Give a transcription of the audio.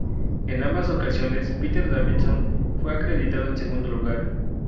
En ambas ocasiones, Peter Davison fue acreditado en segundo lugar.